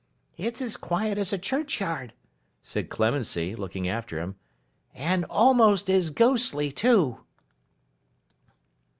'It's as quiet as a churchyard,' said Clemency, looking after him; 'and almost as ghostly too!